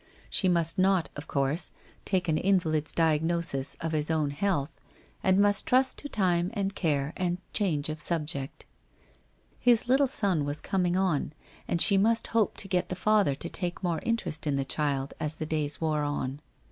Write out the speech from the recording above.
She must not, of course, take an invalid's diagnosis of his own health, and must trust to time and care and change of subject. His little son was coming on, and she must hope to get the father to take more interest in the child as the days wore on.